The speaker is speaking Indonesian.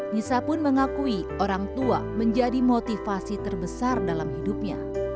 nisa pun mengakui orang tua menjadi motivasi terbesar dalam hidupnya